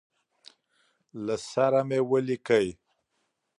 له سره مي ولیکی.